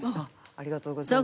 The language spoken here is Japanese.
ありがとうございます。